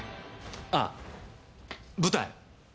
ああ、舞台。